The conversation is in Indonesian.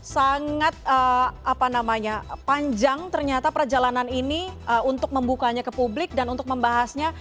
sangat panjang ternyata perjalanan ini untuk membukanya ke publik dan untuk membahasnya